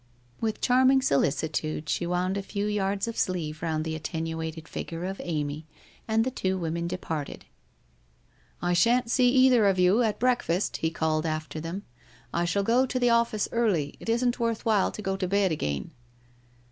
With charming solicitude she wound a few yards of sleeve round the attenuated figure of Amy, and the two women departed. ' I shan't see either of you at breakfast,' he called after them. ' I shall go to the office early, it isn't worth while to go to bed again